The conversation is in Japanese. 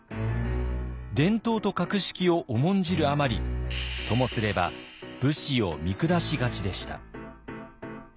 伝統と格式を重んじるあまりともすれば武士を見下しがちでした。